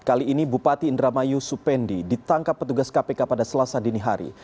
kali ini bupati indramayu supendi ditangkap petugas kpk pada selasa dini hari